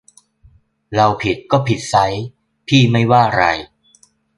เราผิดก็ผิดไซร้ พี่ไม่ ว่าไร